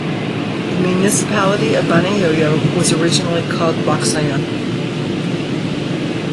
The municipality of Banayoyo was originally called "Bacsayan".